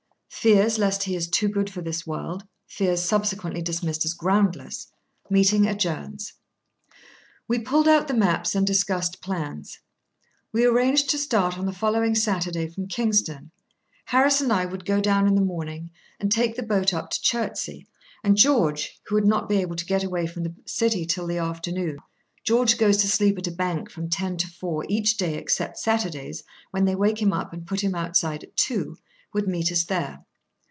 —Fears lest he is too good for this world, fears subsequently dismissed as groundless.—Meeting adjourns. We pulled out the maps, and discussed plans. We arranged to start on the following Saturday from Kingston. Harris and I would go down in the morning, and take the boat up to Chertsey, and George, who would not be able to get away from the City till the afternoon (George goes to sleep at a bank from ten to four each day, except Saturdays, when they wake him up and put him outside at two), would meet us there.